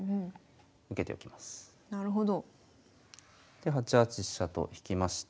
で８八飛車と引きまして。